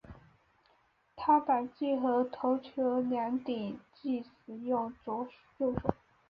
他打击和投球两项皆使用右手。